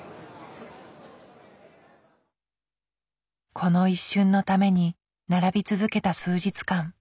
この一瞬のために並び続けた数日間。